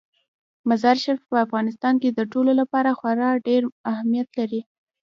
مزارشریف په افغانستان کې د ټولو لپاره خورا ډېر اهمیت لري.